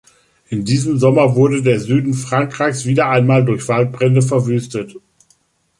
In diesen Sommer wurde der Süden Frankreichs wieder einmal durch Waldbrände verwüstet.